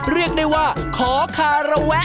เรียกได้ว่าขอคาระแวะ